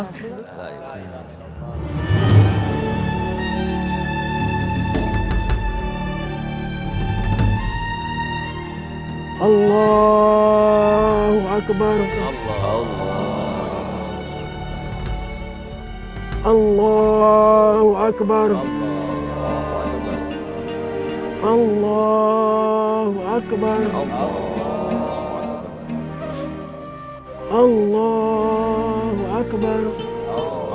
assalamualaikum warahmatullahi wabarakatuh